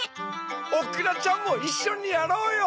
おくらちゃんもいっしょにやろうよ！